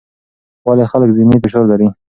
ولې خلک ذهني فشار لري؟